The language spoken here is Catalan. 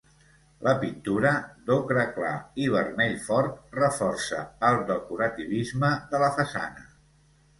La pintura, d'ocre clar i vermell fort, reforça el decorativisme de la façana.